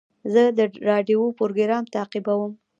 زه د راډیو پروګرام تعقیبوم.